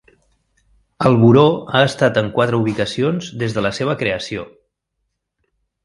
El Bureau ha estat en quatre ubicacions des de la seva creació.